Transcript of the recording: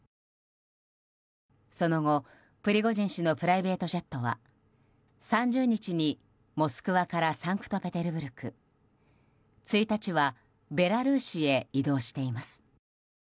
その後、プリゴジン氏のプライベートジェットは３０日にモスクワからサンクトペテルブルク１日はベラルーシへ移動しています。